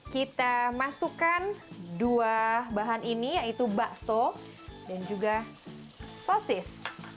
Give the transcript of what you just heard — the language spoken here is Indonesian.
kita masukkan dua bahan ini yaitu bakso dan juga sosis